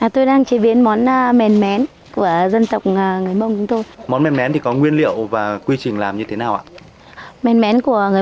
thì nó ngọt ngọt ngô